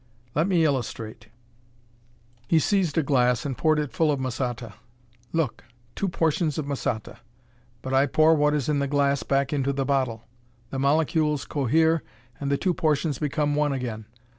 Let me illustrate." He seized a glass and poured it full of masata. "Look! Two portions of masata. But I pour what is in the glass back into the bottle. The molecules cohere and the two portions become one again.